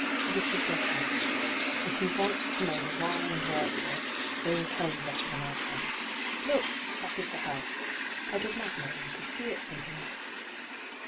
This is their carrit^. If you waot to know the why and wherefore, they will tell yoa better than I can. Look ! that is the house. I did not know you could see it from here.'